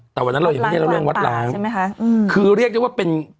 แต่วันนั้นเรายังไม่ได้เล่าเรื่องวัดล้างใช่ไหมคะอืมคือเรียกได้ว่าเป็น